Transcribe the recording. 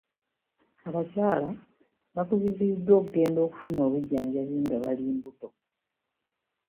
Abakyala bakubiriziddwa okugenda okufuna obujjanjabi nga bali mbuto.